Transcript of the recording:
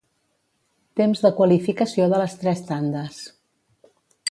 Temps de qualificació de les tres tandes.